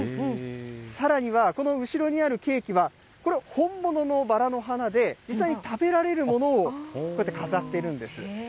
さらには、この後ろにあるケーキは、これ、本物のバラの花で、実際に食べられるものをこうやって飾っているんです。